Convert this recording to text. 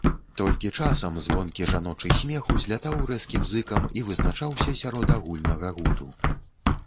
Толькі часам звонкі жаночы смех узлятаў рэзкім зыкам і вызначаўся сярод агульнага гуду.